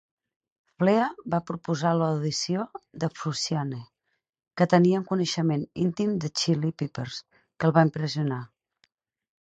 Flea va proposar l'audició de Frusciante, que tenia un coneixement íntim de Chili Peppers que el va impressionar.